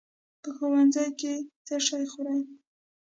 "په ښوونځي کې دې څه شی ځوروي؟"